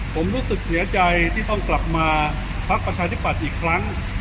ผมรู้สึกเสียใจที่ต้องกลับมาพักประชาธิปัตย์อีกครั้ง